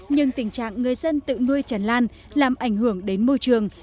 nhưng tình trạng người dân tự nuôi chàn lan làm ảnh hưởng đến môi trường